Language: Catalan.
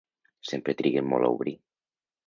Sempre triguen molt a obrir.